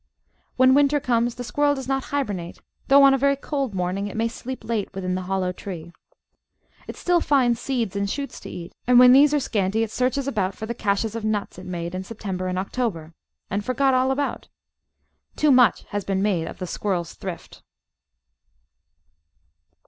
When winter comes the Squirrel does not hibernate, though on a very cold morning it may sleep late within the hoDow tree. It still finds seeds and shoots to eat, and when these are scanty it searches about for the caches of nuts it made in September and October — and forgot all about! Too much has been made of the Squirrel's thrift.